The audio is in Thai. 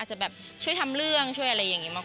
จะแบบช่วยทำเรื่องช่วยอะไรอย่างนี้มาก